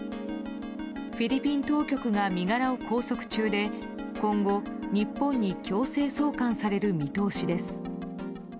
フィリピン当局が身柄を拘束中で今後、日本に強制送還される見通しです。